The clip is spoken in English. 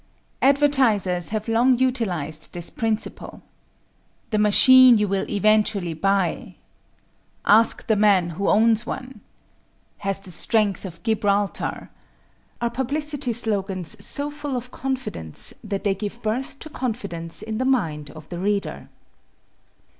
Advertisers have long utilized this principle. "The machine you will eventually buy," "Ask the man who owns one," "Has the strength of Gibraltar," are publicity slogans so full of confidence that they give birth to confidence in the mind of the reader.